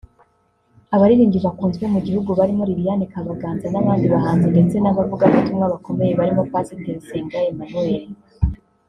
Abaririmbyi bakunzwe mu gihugu barimo Liliane Kabaganza n’abandi bahanzi ndetse n’abavugabutumwa bakomeye barimo Pasiteri Senga Emmanuel